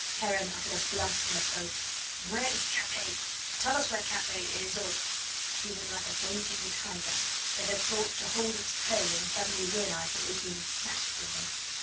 Heron uttered a blasphemous oath. "Where is Capet? Tell us where Capet is, or " He was like a raging tiger that had thought to hold its prey and suddenly realised that it was being snatched from him.